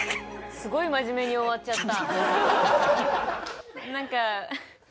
すごい真面目に終わっちゃった。